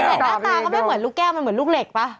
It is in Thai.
แต่หน้าตาก็ไม่เหมือนลูกแก้วมันเหมือนลูกเหล็กป่ะ